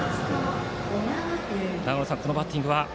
長野さん、今のバッティングは？